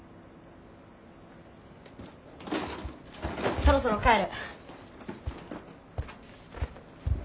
そろそろ帰る。